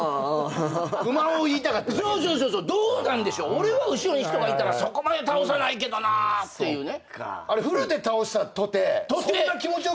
俺は後ろに人がいたらそこまで倒さないけどなっていうね。